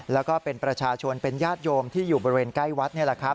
แล้วก็เป็นประชาชนเป็นญาติโยมที่อยู่บริเวณใกล้วัด